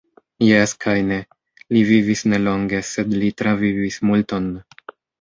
Jes kaj ne; li vivis ne longe, sed li travivis multon.